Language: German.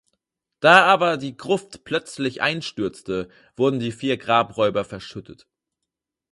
Da aber die Gruft plötzlich einstürzte, wurden die vier Grabräuber verschüttet.